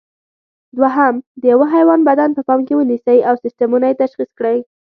دوهم: د یوه حیوان بدن په پام کې ونیسئ او سیسټمونه یې تشخیص کړئ.